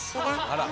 あら！